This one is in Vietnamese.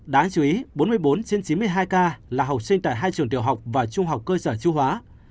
đáng chú ý bốn mươi bốn trên chín mươi hai ca là học sinh tại hai trường tiểu học và trung học cơ sở chu hóa